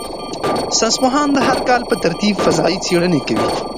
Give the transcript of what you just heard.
ساینس پوهان د هر کال په ترتیب فضايي څېړنې کوي.